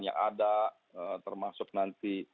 yang ada termasuk nanti